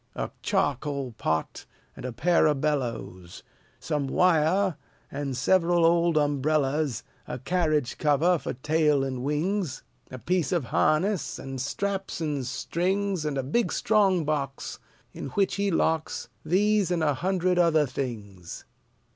A charcoal pot and a pair of bellows; Some wire, and several old umbrellas; A carriage cover, for tail and wings; A piece of harness; and straps and strings; And a big strong box, In which he locks These and a hundred other things.